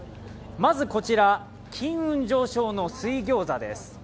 まずこちら、金運上昇の水ギョーザです。